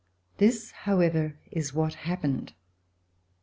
This, however, is what happened.